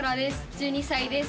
１２歳です。